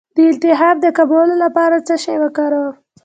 د التهاب د کمولو لپاره باید څه شی وکاروم؟